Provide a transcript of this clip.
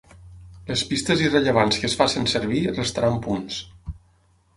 Les pistes irrellevants que es facin servir restaran punts.